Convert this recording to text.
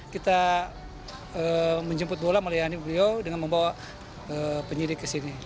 kita menjemput bola melayani beliau dengan membawa penyidik kesini